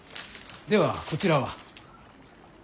ではこちらは？